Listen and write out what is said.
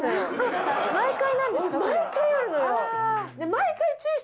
毎回あるのよ。